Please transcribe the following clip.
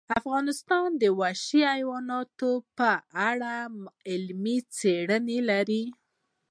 افغانستان د وحشي حیوانات په اړه علمي څېړنې لري.